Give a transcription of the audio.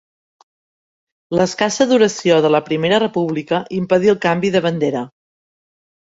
L'escassa duració de la Primera República impedí el canvi de bandera.